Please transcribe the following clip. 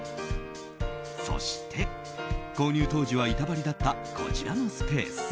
そして、購入当時は板張りだったこちらのスペース。